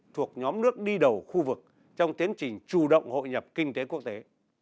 thuộc nhóm nước đi đầu khu vực trong tiến trình chủ động hội nhập kinh tế quốc tế